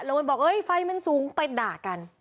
แล้วมันบอกเฮ้ยไฟมันสูงไปด่ากัน